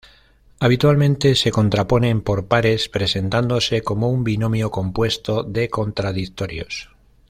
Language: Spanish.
Habitualmente se contraponen por pares, presentándose como un binomio compuesto de contradictorios.